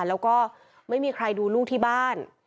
แล้วก็ไม่มีใครดูลูกที่บ้าน